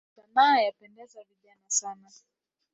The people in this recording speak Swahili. Sanaa yapendeza vijana sana.